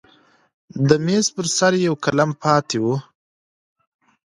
د میز پر سر یو قلم پاتې و.